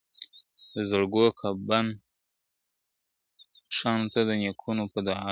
د زړو کفن کښانو د نیکونو په دعا یو ,